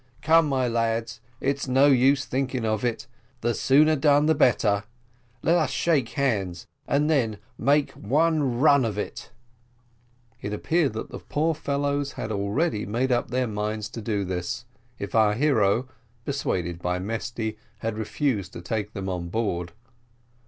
Come, my lads, it's no use thinking of it, the sooner done the better let us shake hands, and then make one run of it." It appeared that the poor fellows had already made up their minds to do this, if our hero, persuaded by Mesty, had refused to take them on board.